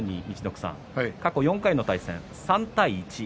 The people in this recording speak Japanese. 過去４回の対戦３対１。